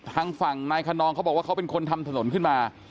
ทางฝั่งนายคนนองเขาบอกว่าเขาเป็นคนทำถนนขึ้นมา